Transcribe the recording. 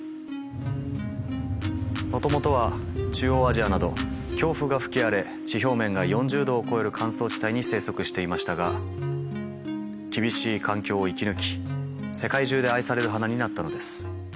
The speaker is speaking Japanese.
もともとは中央アジアなど強風が吹き荒れ地表面が４０度を超える乾燥地帯に生息していましたが厳しい環境を生き抜き世界中で愛される花になったのです。